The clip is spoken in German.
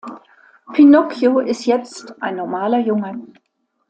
Pinocchio ist jetzt ein normaler Junge.